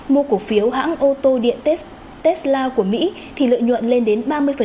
mua cổ phiếu hãng ô tô điện texa của mỹ thì lợi nhuận lên đến ba mươi